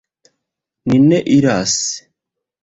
Ni ne iras.